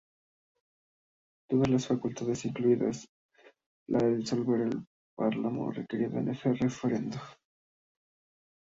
Todas sus demás facultades, incluida la de disolver el parlamento, requieren de ese refrendo.